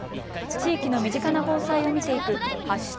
地域の身近な防災を見ていく＃